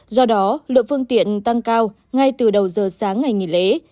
do đó lượng phương tiện tăng cao ngay từ đầu giờ sáng ngày nghỉ lễ